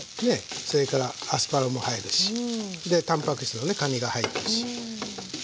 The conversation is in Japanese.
それからアスパラも入るしでたんぱく質のかにが入るし。